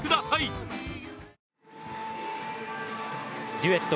デュエット